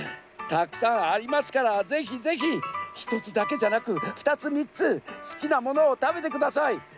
「たくさんありますからぜひぜひひとつだけじゃなくふたつみっつすきなものをたべてください」。